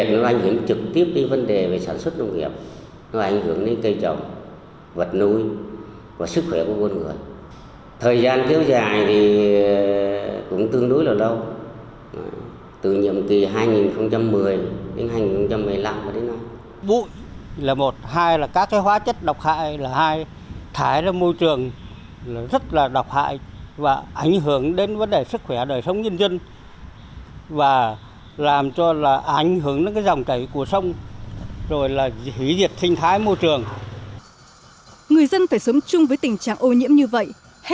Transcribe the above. do việc chế biến sản xuất và vận chuyển vật liệu xây dựng của các công ty doanh nghiệp ở cụm công nghiệp vức gây ra